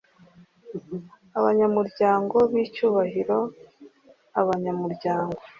n abanyamuryango b icyubahiro Abanyamuryango